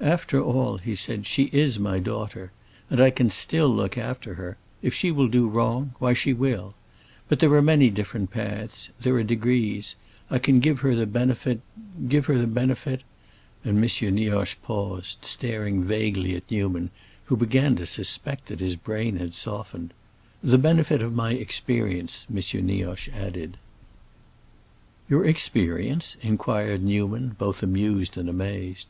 "After all," he said, "she is my daughter, and I can still look after her. If she will do wrong, why she will. But there are many different paths, there are degrees. I can give her the benefit—give her the benefit"—and M. Nioche paused, staring vaguely at Newman, who began to suspect that his brain had softened—"the benefit of my experience," M. Nioche added. "Your experience?" inquired Newman, both amused and amazed.